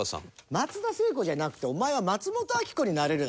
松田聖子じゃなくてお前は松本明子になれる。